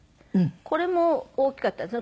これも大きかったですね。